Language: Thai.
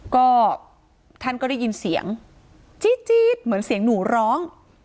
ก็ท่านก็ได้ยินเสียงจี๊ดเหมือนเสียงหนูร้อง